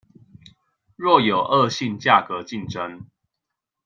若有惡性價格競爭